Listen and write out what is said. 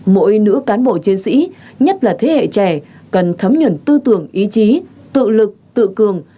mỗi nữ cán bộ chiến sĩ nhất là thế hệ trẻ cần thấm nhuận tư tưởng ý chí tự lực tự cường